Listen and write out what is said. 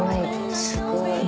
すごい。